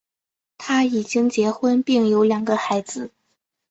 他已经结婚并有两个孩子。